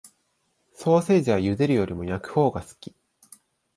ソーセージは茹でるより焼くほうが好き